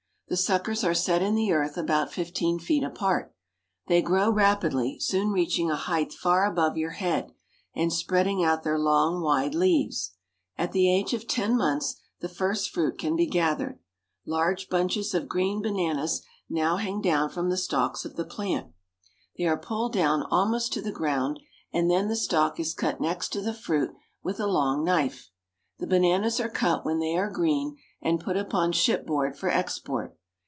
The suckers are set in the earth about fifteen feet apart. They grow rapidly, soon reach ing a height far above your head, and spreading out their long, wide leaves. At the age of ten months the first fruit can be gathered. Large bunches of green bana nas now hang down from the stalks of the plant. They are pulled down almost to the ground, and then the stalk is cut next to the fruit with a long knife. The bananas are cut when they are green, and put upon ship board for export.